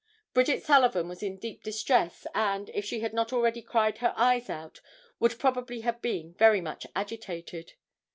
Bridget Sullivan was in deep distress, and, if she had not already cried her eyes out, would probably have been very much agitated.